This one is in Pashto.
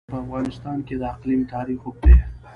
په افغانستان کې د اقلیم تاریخ اوږد دی.